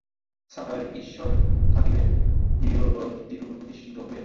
সাকার ঈশ্বর থাকিবেন, দৃঢ়তর ভিত্তির উপর প্রতিষ্ঠিত হইয়া থাকিবেন।